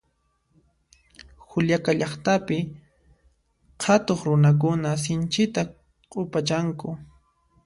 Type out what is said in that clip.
Juliaca llaqtapi qhatuq runakuna sinchita q'upachanku